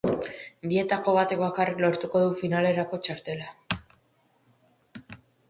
Bietako batek bakarrik lortuko du finalerako txartela.